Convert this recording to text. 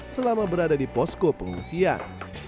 selama berada di posko pengungsian